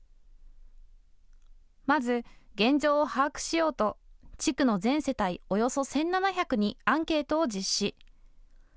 まず、現状を把握しようと地区の全世帯およそ１７００にアンケートを実施。